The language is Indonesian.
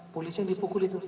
polisi yang dipukul itu